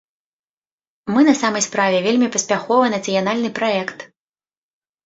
Мы на самай справе вельмі паспяховы нацыянальны праект.